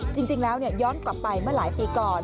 จริงแล้วย้อนกลับไปเมื่อหลายปีก่อน